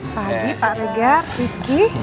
pagi pak regar rizky